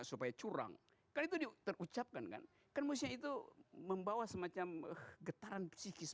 supaya curang kan itu terucapkan kan musya itu membawa semacam getaran psikis